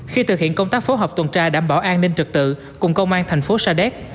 một mươi hai khi thực hiện công tác phối hợp tuần tra đảm bảo an ninh trực tự cùng công an thành phố sa đéc